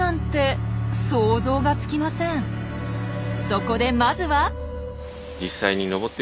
そこでまずは！